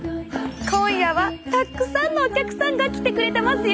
今夜はたくさんのお客さんが来てくれてますよ。